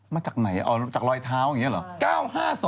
มาจากไหนจากรอยเท้าอย่างนี้เหรอ